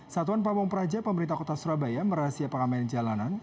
satuan pabong praja pemerintah kota surabaya merahasia pengamen jalanan